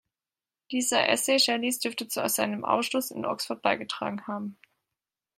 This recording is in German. Dieser Essay Shelleys dürfte zu seinem Ausschluss in Oxford beigetragen haben.